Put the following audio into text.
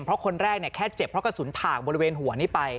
เพราะคนแรกแค่เจ็บเพราะกระสุนถ่างบริเวณหัวนี้ไป